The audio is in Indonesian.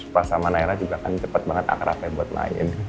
pas sama naila juga kan cepet banget akrabnya buat main